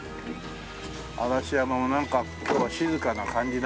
嵐山はなんか今日は静かな感じだね。